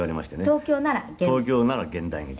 「東京なら現代劇